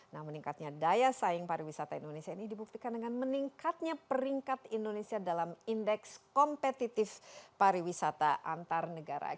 nah meningkatnya daya saing pariwisata indonesia ini dibuktikan dengan meningkatnya peringkat indonesia dalam indeks kompetitif pariwisata antar negara